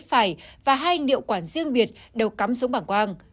phải và hai điệu quản riêng biệt đều cắm xuống bảng quang